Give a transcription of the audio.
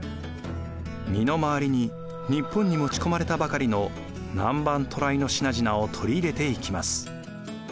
身の回りに日本に持ち込まれたばかりの南蛮渡来の品々を取り入れていきます。